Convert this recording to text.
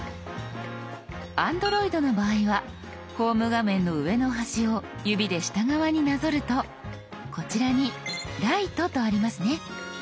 Ａｎｄｒｏｉｄの場合はホーム画面の上の端を指で下側になぞるとこちらに「ライト」とありますね。